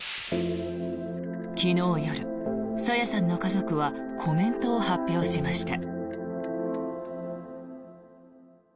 昨日夜、朝芽さんの家族はコメントを発表しました。